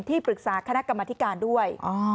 ที่ปรึกษาคณะกรรมธิการด้วย